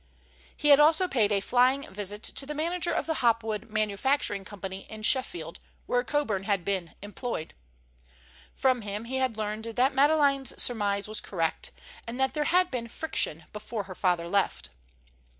He had also paid a flying visit to the manager of the Hopwood Manufacturing Company in Sheffield, where Coburn had been employed. From him he had learned that Madeleine's surmise was correct, and that there had been "friction" before her father left.